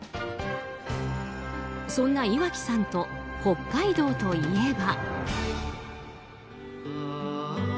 そんな岩城さんと北海道といえば。